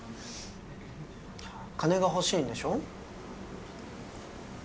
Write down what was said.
金が欲しいんでしょ？